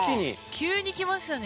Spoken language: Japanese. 急にきましたね。